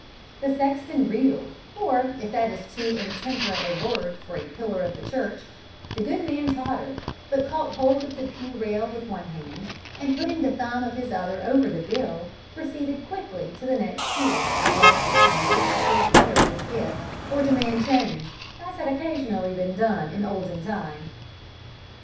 The sexton reeled, or, if that is too intemperate a word for a pillar of the church, the good man tottered, but caught hold of the pew rail with one hand, and, putting the thumb of his other over the bill, proceeded quickly to the next pew, lest the stranger should think better of his gift, or demand change, as had occasionally been done in the olden time.